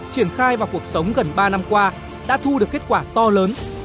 triển khai vào cuộc sống gần ba năm qua đã thu được kết quả to lớn